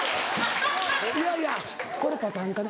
いやいやこれパターン化ね。